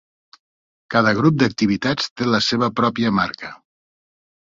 Cada grup d'activitats té la seva pròpia marca.